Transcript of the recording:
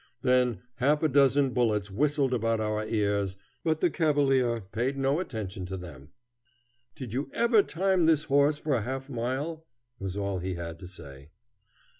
Then half a dozen bullets whistled about our ears, but the cavalier paid no attention to them. "Did you ever time this horse for a half mile?" was all he had to say.